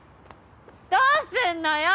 どうすんのよ！